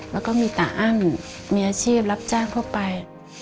แล้วก็มีตาอ้ำมีอาชีพรับจ้างทั่วไป